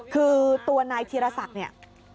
คือตัวนายธีรศักดิ์เนี่ย